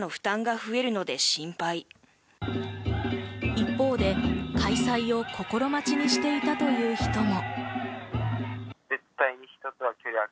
一方で開催を心待ちにしていたという人も。